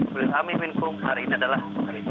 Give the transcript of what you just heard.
mawlana amin bin qum hari ini adalah